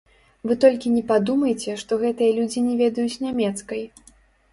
Вы толькі не падумайце, што гэтыя людзі не ведаюць нямецкай.